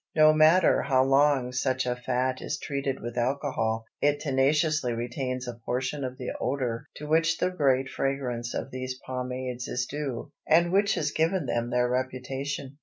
No matter how long such a fat is treated with alcohol, it tenaciously retains a portion of the odor to which the great fragrance of these pomades is due and which has given them their reputation.